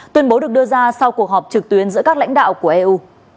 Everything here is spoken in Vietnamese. tuyên bố được đưa ra sau cuộc họp trực tuyến giữa các lãnh đạo của eu